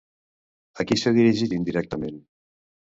A qui s'ha dirigit indirectament?